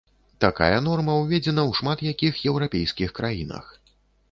Такая норма ўведзена ў шмат якіх еўрапейскіх краінах.